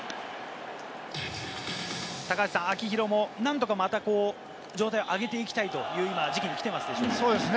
秋広も何とかまた状態を上げていきたいという時期に来ていますか？